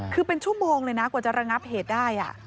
คือเป็นชั่วโมงเลยนะกว่าจะระงับเหตุได้